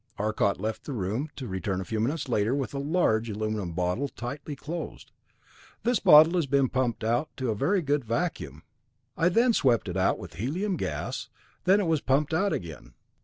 Arcot left the room, to return a few minutes later with a large aluminum bottle, tightly closed. "This bottle has been pumped out to a very good vacuum. I then swept it out with helium gas. Then it was pumped out again.